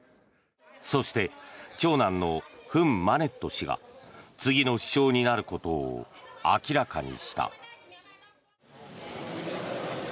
そして長男のフン・マネット氏が次の首相になることを明らかにした。